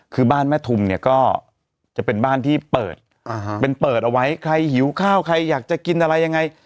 คือบ้านแม่ทุมเนี่ยก็จะเป็นบ้านที่เปิดเป็นเปิดเอาไว้ใครหิวข้าวใครอยากจะกินอะไรยังไง